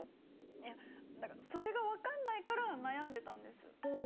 いやそれが分かんないから悩んでたんです。